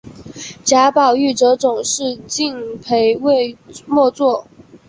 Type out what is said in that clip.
贾宝玉则总是敬陪末座。